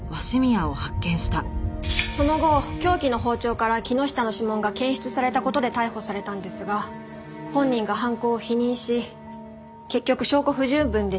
その後凶器の包丁から木下の指紋が検出された事で逮捕されたんですが本人が犯行を否認し結局証拠不十分で釈放されたんです。